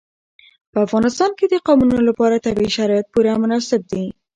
په افغانستان کې د قومونه لپاره طبیعي شرایط پوره مناسب دي.